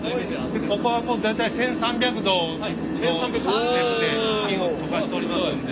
ここはもう大体１，３００℃の熱で金を溶かしておりますんで。